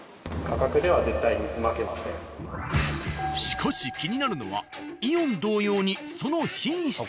しかし気になるのは「イオン」同様にその品質。